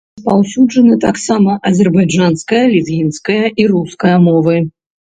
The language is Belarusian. Распаўсюджаны таксама азербайджанская, лезгінская і руская мовы.